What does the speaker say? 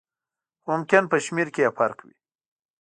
خو ممکن په شمېر کې یې فرق وي.